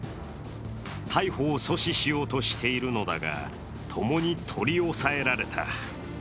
逮捕を阻止しようとしているのだが、共に取り押さえられた。